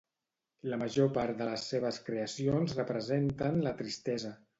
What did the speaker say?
La major part de les seves creacions representen la tristesa?